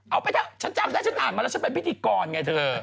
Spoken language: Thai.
เอาไปเถอะฉันจำได้ฉันอ่านมาแล้วฉันเป็นพิธีกรไงเธอ